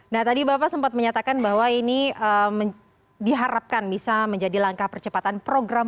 nah tadi bapak sempat menyatakan bahwa ini diharapkan bisa menjadi langkah percepatan program